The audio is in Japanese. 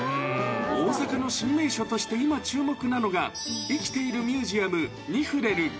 大阪の新名所として今注目なのが、生きているミュージアム、ニフレル。